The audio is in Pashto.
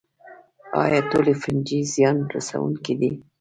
ایا ټولې فنجي زیان رسوونکې دي